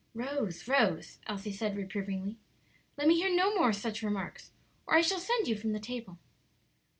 "Rose, Rose," Elsie said, reprovingly; "let me hear no more such remarks, or I shall send you from the table."